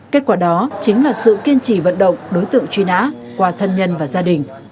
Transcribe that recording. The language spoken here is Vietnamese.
kết quả đó chính là sự kiên trì vận động đối tượng truy nã qua thân nhân và gia đình